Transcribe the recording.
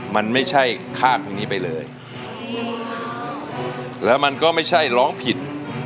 มันไม่ใช่ข้ามเพลงนี้ไปเลยแล้วมันก็ไม่ใช่ร้องผิด